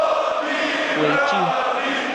雞酒